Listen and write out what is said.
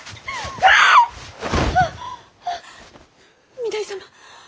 御台様